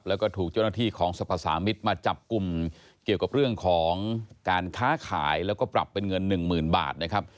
แล้วก็ถูกเจ้าหน้าที่ของสรรพสามิตรมาจับกลุ่มเกี่ยวกับเรื่องของการค้าขายแล้วก็ปรับเป็นเงินหนึ่งหมื่นบาทนะครับ